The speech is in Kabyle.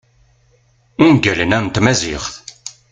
ungalen-a n tmaziɣt